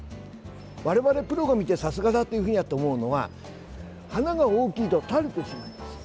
我々、プロが見てさすがだというふうに思うのは花が大きいと垂れてしまいます。